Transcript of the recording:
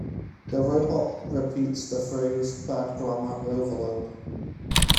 The robot repeats the phrase Bad grammar overload!